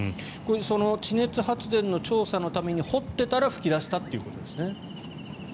地熱発電の調査のために掘っていたら噴き出したということですね。